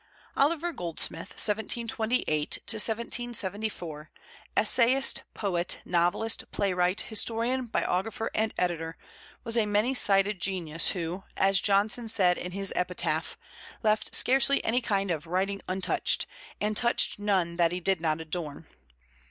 Oliver Goldsmith (1728 1774), essayist, poet, novelist, playwright, historian, biographer, and editor, was a many sided genius, who, as Johnson said in his epitaph, left scarcely any kind of writing untouched, and touched none that he did not adorn.